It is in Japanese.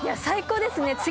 最高ですね。